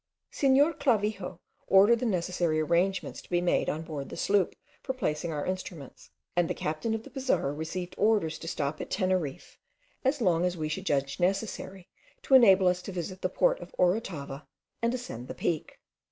Senor Clavijo ordered the necessary arrangements to be made on board the sloop for placing our instruments, and the captain of the Pizarro received orders to stop at Teneriffe, as long as we should judge necessary to enable us to visit the port of Orotava, and ascend the peak.